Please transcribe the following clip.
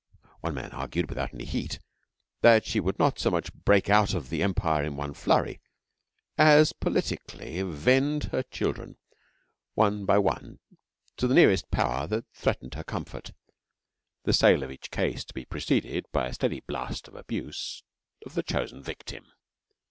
One man argued, without any heat, that she would not so much break out of the Empire in one flurry, as politically vend her children one by one to the nearest Power that threatened her comfort; the sale of each case to be preceded by a steady blast of abuse of the chosen victim.